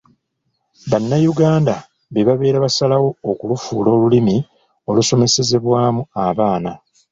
Bannayuganda be babeera basalawo okulufuula olulimi olusomesezebwamu abaana.